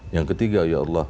yang ketiga ya allah